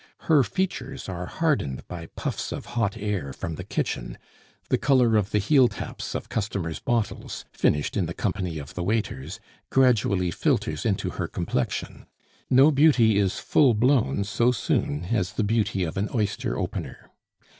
Her features are hardened by puffs of hot air from the kitchen; the color of the heeltaps of customers' bottles, finished in the company of the waiters, gradually filters into her complexion no beauty is full blown so soon as the beauty of an oyster opener.